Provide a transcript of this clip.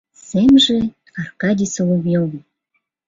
Семже Аркадий Соловьёвын